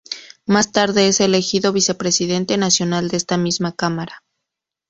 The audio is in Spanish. Más tarde, es elegido Vicepresidente Nacional de esta misma cámara.